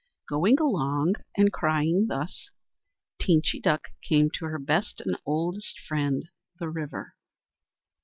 Going along and crying thus, Teenchy Duck came to her best and oldest friend, the River.